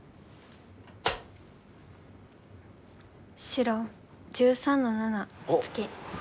白１３の七ツケ。